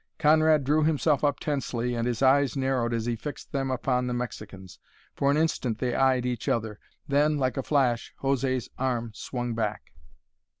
Conrad drew himself up tensely and his eyes narrowed as he fixed them upon the Mexican's. For an instant they eyed each other; then, like a flash, José's arm swung back.